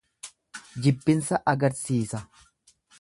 Jibbinsa agarsiisa.